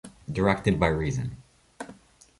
Directed by reason.